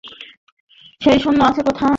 সে সৈন্য আছে কোথায়?